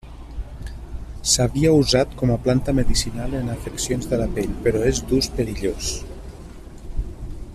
S'havia usat com a planta medicinal en afeccions de la pell però és d'ús perillós.